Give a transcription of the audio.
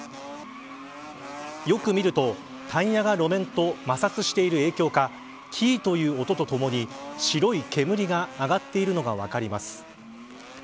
よく見るとタイヤが路面と摩擦している影響かキーという音とともに白い煙が上がっているのが分かります。